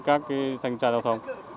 các cái thanh tra giao thông